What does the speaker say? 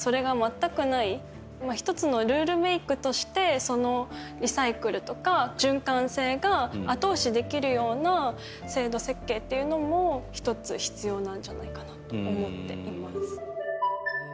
一つのルールメイクとしてそのリサイクルとか循環性が後押しできるような制度設計っていうのもひとつ必要なんじゃないかなと思っています。